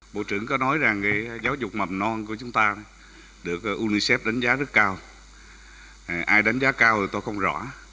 bộ trưởng có nói rằng giáo dục mầm non của chúng ta được unicef đánh giá rất cao ai đánh giá cao thì tôi không rõ